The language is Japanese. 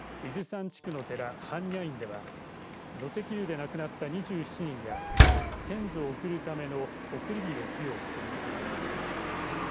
８月、最終日のきのう伊豆山地区の寺、般若院では土石流で亡くなった２７人や先祖を送るための送り火の供養がとり行われました。